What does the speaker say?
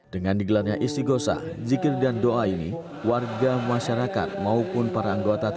dengan digelarnya isti gosa zikir dan doa ini warga masyarakat maupun para anggota pbi